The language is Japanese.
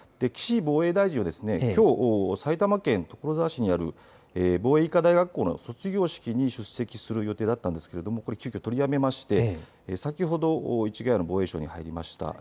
岸防衛大臣はきょう埼玉県所沢市にある防衛医科大学校の卒業式に出席する予定だったんですが急きょ、取りやめて先ほど、市ヶ谷の防衛省に入りました。